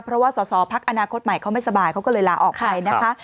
เพราะว่าสอสอพักอนาคตใหม่เขาไม่สบายเขาก็เลยลาออกไปนะคะ